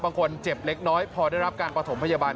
คนเจ็บเล็กน้อยพอได้รับการประถมพยาบาล